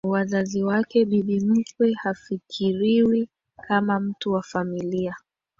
wazazi wake Bibi mkwe hafikiriwi kama mtu wa familia